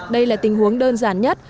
đây là tình huống đơn giản nhất